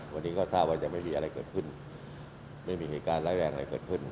วันนี้ก็ทราบว่ายังไม่มีอะไรเกิดขึ้นไม่มีเหตุการณ์ร้ายแรงอะไรเกิดขึ้น